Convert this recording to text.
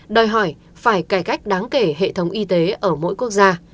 đòi hỏi phải cải cách đáng kể hệ thống y tế ở mỗi quốc gia